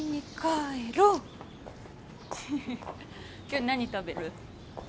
今日何食べる？